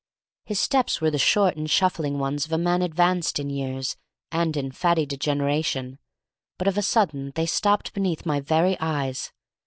His steps were the short and shuffling ones of a man advanced in years and in fatty degeneration, but of a sudden they stopped beneath my very eyes.